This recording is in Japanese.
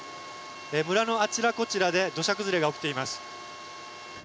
村のあちらこちらで土砂崩れが起きています。